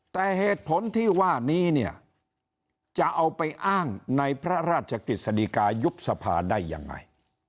แต่เหตุผลที่ว่านี้เนี่ยจะเอาไปอ้างในพระราชกฤษฎิกายุบสภาได้ยังไง